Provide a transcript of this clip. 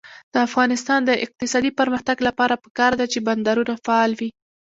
د افغانستان د اقتصادي پرمختګ لپاره پکار ده چې بندرونه فعال وي.